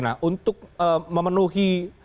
nah untuk memenuhi